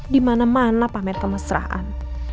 di mana mana pamer kemesraan